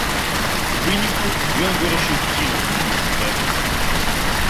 У выніку ён вырашыў кінуць універсітэт.